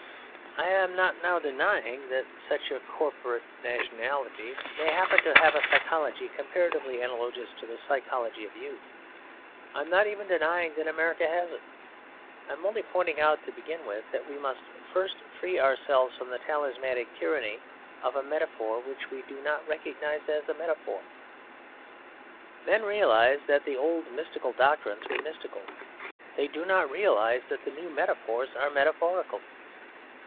I am not now denying that such a corporate nationality may happen to have a psychology comparatively analogous to the psychology of youth. I am not even denying that America has it. I am only pointing out, to begin with, that we must free ourselves from the talismanic tyranny of a metaphor which we do not recognise as a metaphor. Men realised that the old mystical doctrines were mystical; they do not realise that the new metaphors are metaphorical.